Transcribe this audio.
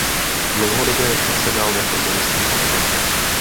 Dlouhodobě zasedal jako zemský poslanec.